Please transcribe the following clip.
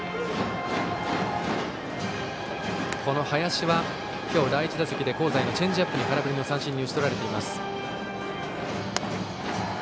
この林は、今日の第１打席で香西のチェンジアップで空振り三振に打ち取られています。